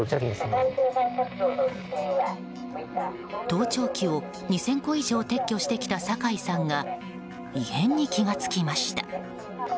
盗聴器を２０００個以上撤去してきた酒井さんが異変に気が付きました。